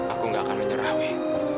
aku gak akan menyerah wih